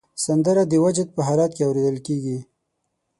سندره د وجد په حالت کې اورېدل کېږي